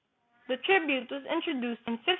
The tribute was introduced in 1570.